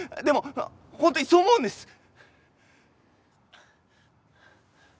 でも本当にそう思うんです！